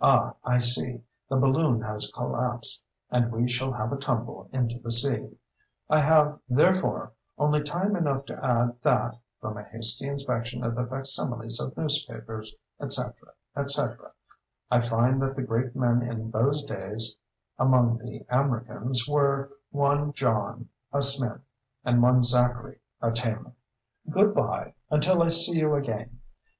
Ah, I see—the balloon has collapsed, and we shall have a tumble into the sea. I have, therefore, only time enough to add that, from a hasty inspection of the fac similes of newspapers, &c., &c., I find that the great men in those days among the Amriccans, were one John, a smith, and one Zacchary, a tailor. Good bye, until I see you again.